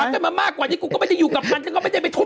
ได้คุณใช้ไป